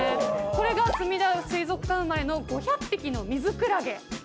これがすみだ水族館生まれの５００匹のミズクラゲです。